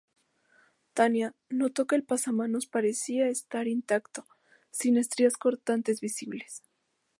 Tani notó que el pasamanos parecía estar intacto, sin estrías cortantes visibles.